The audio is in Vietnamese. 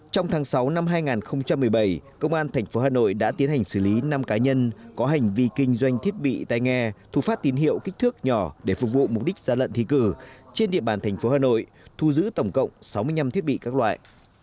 trong tháng sáu năm hai nghìn một mươi bảy công an tp hà nội đã tiến hành xử lý năm cá nhân có hành vi kinh doanh thiết bị tay nghe thu phát tín hiệu kích thước nhỏ để phục vụ mục đích gia lận thi cử trên địa bàn thành phố hà nội thu giữ tổng cộng sáu mươi năm thiết bị các loại